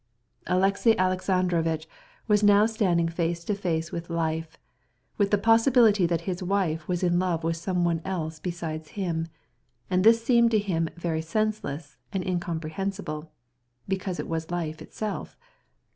Alexey Alexandrovitch was standing face to face with life, with the possibility of his wife's loving someone other than himself, and this seemed to him very irrational and incomprehensible because it was life itself.